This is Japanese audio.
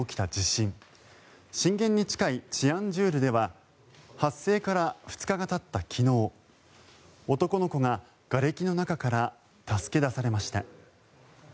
震源に近いチアンジュールでは発生から２日がたった昨日男の子ががれきの中から助け出されました。